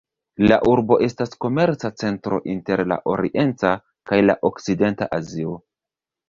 La urbo estas komerca centro inter la orienta kaj la okcidenta Azio.